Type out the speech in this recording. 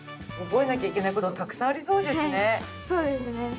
覚えなきゃいけない事がたくさんありそうですね。